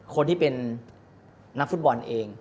คนที่เป็นนักฟุตบอลเอง